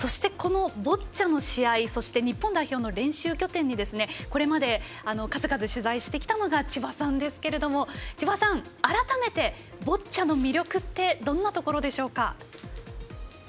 そして日本代表の練習拠点にこれまで数々取材してきたのが千葉さんですけれども千葉さん、改めてボッチャの魅力ってどんなところでしょうか。